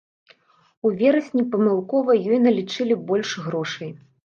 У верасні памылкова ёй налічылі больш грошай.